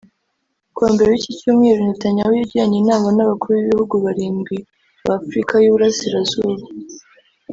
Kuwa Mbere w’iki cyumweru Netanyahu yagiranye inama n’abakuru b’ibihugu barindwi ba Afurika y’Uburasirazuba